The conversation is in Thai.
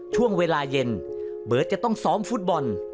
ช่วงเวลาเย็นเบิร์ตจะต้องซ้อมฟุตบอล